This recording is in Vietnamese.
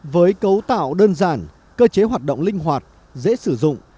với cấu tạo đơn giản cơ chế hoạt động linh hoạt dễ sử dụng